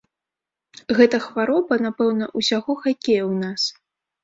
Гэта хвароба, напэўна, усяго хакея ў нас.